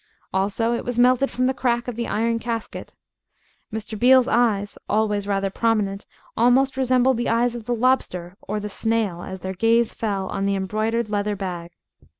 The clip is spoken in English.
Also it was melted from the crack of the iron casket. Mr. Beale's eyes, always rather prominent, almost resembled the eyes of the lobster or the snail as their gaze fell on the embroidered leather bag.